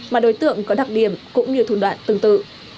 mà đối tượng có đặc điểm cũng như thủ đoạn tương tự